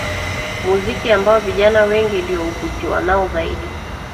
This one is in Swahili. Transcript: Muziki ambao vijana wengi ndio huvutiwa nao zaidi